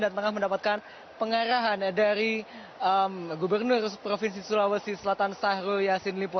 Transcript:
dan tengah mendapatkan pengarahan dari gubernur provinsi sulawesi selatan sahru yasin lipo